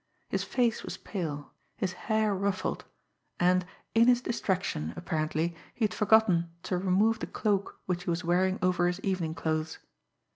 His face was pale, his hair ruffled; and, in his distraction, apparently, he had forgotten to remove the cloak which he was wearing over his evening clothes.